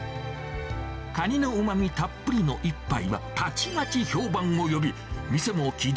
カニのうまみたっぷりの一杯はたちまち評判を呼び、店も軌道